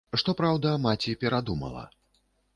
Што праўда, маці перадумала.